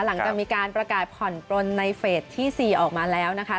หลังจากมีการประกาศผ่อนปลนในเฟสที่๔ออกมาแล้วนะคะ